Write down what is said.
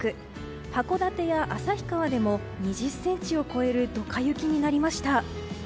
函館や旭川でも２０ｃｍを超えるドカ雪になりました。